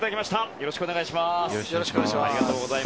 よろしくお願いします。